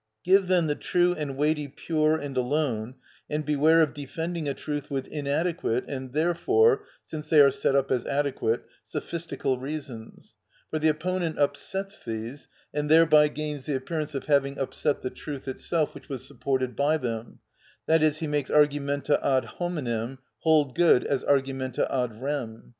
Give then the true and weighty pure and alone, and beware of defending a truth with inadequate, and therefore, since they are set up as adequate, sophistical reasons; for the opponent upsets these, and thereby gains the appearance of having upset the truth itself which was supported by them, that is, he makes argumenta ad hominem hold good as argumenta ad rem.